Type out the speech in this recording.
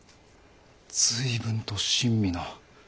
随分と親身な。